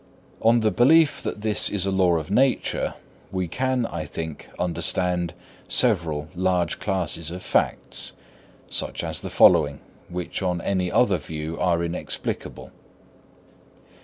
On the belief that this is a law of nature, we can, I think, understand several large classes of facts, such as the following, which on any other view are inexplicable.